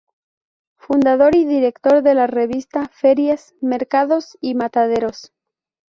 Fundador y director de la revista "Ferias, mercados y mataderos".